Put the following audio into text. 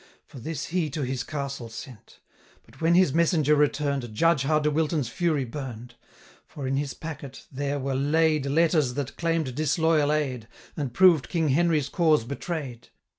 For this he to his castle sent; But when his messenger return'd, Judge how De Wilton's fury burn'd! For in his packet there were laid 600 Letters that claim'd disloyal aid, And proved King Henry's cause betray'd.